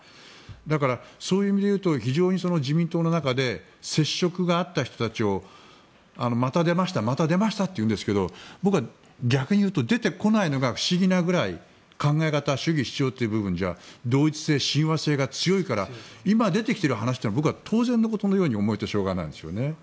だから、そういう意味で言うと非常に自民党の中で接触があった人たちをまた出ましたまた出ましたというんですけど僕は、逆に言うと出てこないのが不思議なくらい考え方、主義・主張という部分は同一性、親和性が強いから今出てきている話は僕は当然のことのように思えてしょうがないんですね。